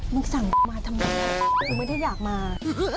มึงสั่งมาทำไมกูไม่ได้อยากมา